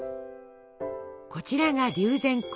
こちらが龍涎香。